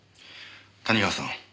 谷川さん。